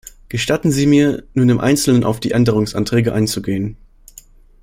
Gestatten Sie mir, nun im einzelnen auf die Änderungsanträge einzugehen.